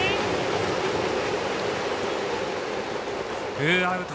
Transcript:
ツーアウト。